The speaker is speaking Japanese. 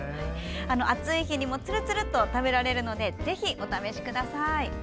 暑い日にもつるつると食べられるのでぜひ、お試しください。